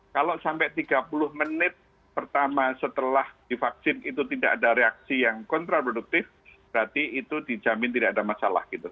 kalau sampai tiga puluh menit pertama setelah divaksin itu tidak ada reaksi yang kontraproduktif berarti itu dijamin tidak ada masalah gitu